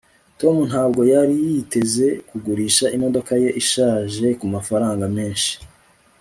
tom ntabwo yari yiteze kugurisha imodoka ye ishaje kumafaranga menshi